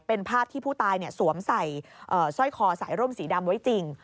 เป็นภาพที่ผู้ตายสวมใส่สร้อยคอสายร่มสีดำไว้จริง